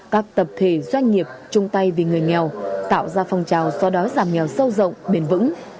các tập thể doanh nghiệp chung tay vì người nghèo tạo ra phong trào do đói giảm nghèo sâu rộng bền vững